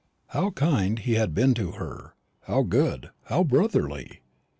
How kind he had been to her; how good, how brotherly!